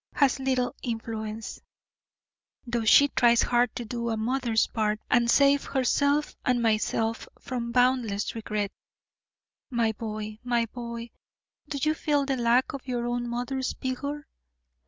has little influence, though she tries hard to do a mother's part and save herself and myself from boundless regret. My boy, my boy, do you feel the lack of your own mother's vigour?